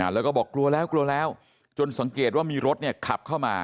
แล้วก็บอกกลัวแล้วกลัวแล้วจนสังเกตว่ามีรถขับเข้ามา